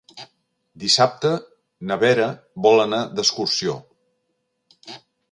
Dissabte na Vera vol anar d'excursió.